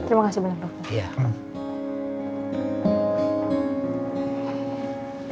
terima kasih banyak dok